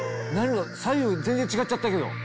左右全然違っちゃったけど。